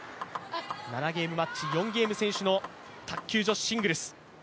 ７ゲームマッチ、４ゲーム先取の卓球女子シングルス。